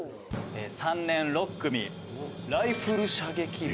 「３年６組ライフル射撃部」